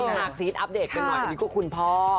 ฮาครีสอัปเดตกันหน่อยอันนี้ก็คุณพ่อ